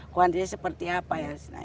kuantitas seperti apa